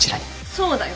そうだよ。